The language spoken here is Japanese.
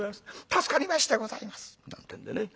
助かりましてございます」なんてんでね。